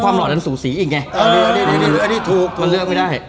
ความหล่อกันสูสีอย่างเงี้ย